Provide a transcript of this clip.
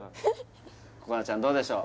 心那ちゃんどうでしょう？